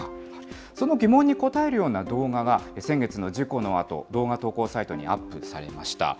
その疑問に応えるような動画が先月の事故のあと、動画投稿サイトにアップされました。